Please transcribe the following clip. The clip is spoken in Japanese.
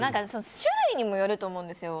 種類にもよると思うんですよ。